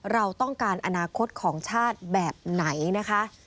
เราต้องการอนาคตของชาติแบบไหนนะคะ